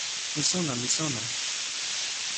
mi sona, mi sona!